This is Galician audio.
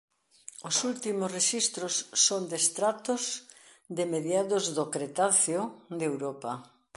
Os últimos rexistros son de estratos de mediados do Cretáceo de Europa.